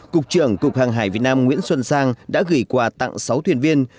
cục trưởng cục hàng hải việt nam nguyễn xuân sang đã gửi quà tặng sáu thuyền viên